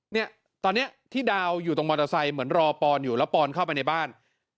เนี่ยตอนนี้ที่ดาวอยู่ตรงมอเตอร์ไซค์เหมือนรอปอนอยู่แล้วปอนเข้าไปในบ้าน